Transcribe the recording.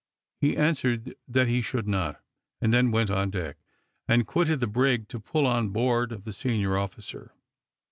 He answered that he should not, and then went on deck, and quitted the brig to pull on board of the senior officer.